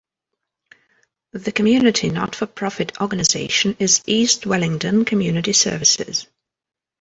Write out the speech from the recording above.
The community not for profit organization is East Wellington Community Services.